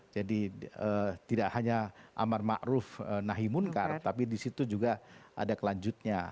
jadi tidak hanya amal ma'ruf nahi munkar tapi disitu juga ada kelanjutnya